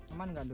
aman tidak du